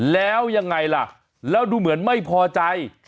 แล้วยังไงล่ะแล้วดูเหมือนไม่พอใจ